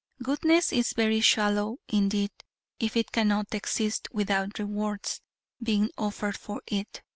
Goodness is very shallow indeed if it cannot exist without rewards being offered for it.